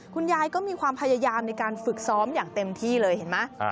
คุณยายก็มีความพยายามในการฝึกซ้อมอย่างเต็มที่เลยเห็นไหม